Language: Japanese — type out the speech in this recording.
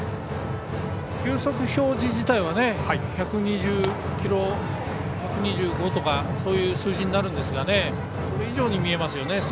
球速表示自体は１２０キロ、１２５とかそういう数字になるんですがそれ以上に見えますよね